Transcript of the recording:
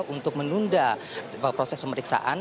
untuk menunda proses pemeriksaan